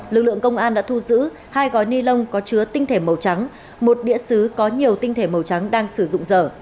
lực lượng công an đã thu giữ hai gói ni lông có chứa tinh thể màu trắng một đĩa xứ có nhiều tinh thể màu trắng đang sử dụng dở